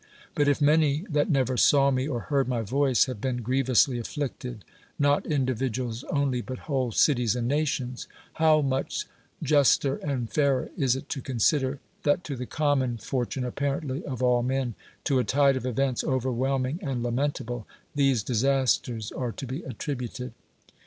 But if many that never saw me or heard my voice have been grievously afflicted, not individuals only but whole cities and nations; how much juster and fairer is it to consider, that to the common for tiuie apparently of all men, to a tide of events overwhelming and lamentable, these disasters are to be attril)uted.